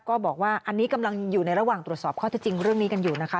ก็บอกว่าอันนี้กำลังอยู่ในระหว่างตรวจสอบข้อที่จริงเรื่องนี้กันอยู่นะคะ